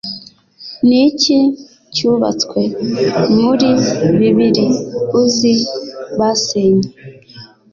Niki cyubatswe muri bibiri uzi basenye